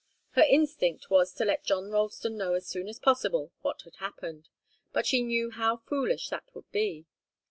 Her instinct was to let John Ralston know as soon as possible what had happened, but she knew how foolish that would be.